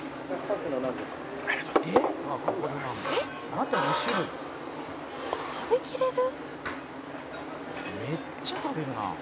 「また２種類」「食べきれる？」